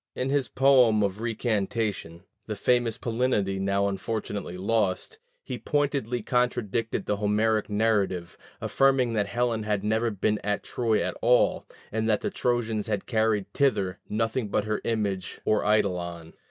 In his poem of recantation (the famous Palinode now unfortunately lost) he pointedly contradicted the Homeric narrative, affirming that Helen had never been at Troy at all, and that the Trojans had carried thither nothing but her image or eidolon.